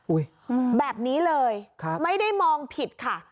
อุ้ยแบบนี้เลยครับไม่ได้มองผิดค่ะ